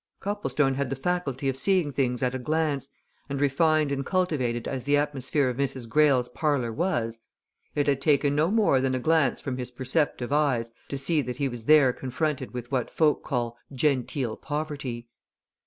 Copplestone had the faculty of seeing things at a glance, and refined and cultivated as the atmosphere of Mrs. Greyle's parlour was, it had taken no more than a glance from his perceptive eyes to see that he was there confronted with what folk call genteel poverty.